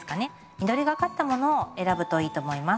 緑がかったものを選ぶといいと思います。